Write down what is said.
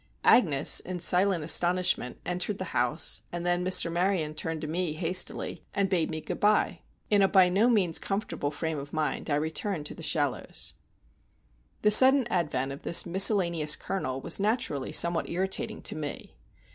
Agnes, in silent astonishment, entered the house, and then Mr. Maryon turned to me hastily and bade me good by. In a by no means comfortable frame of mind I returned to The Shallows. The sudden advent of this miscellaneous colonel was naturally somewhat irritating to me.